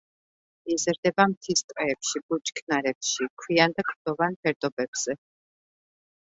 იზრდება მთის ტყეებში, ბუჩქნარებში, ქვიან და კლდოვან ფერდობებზე.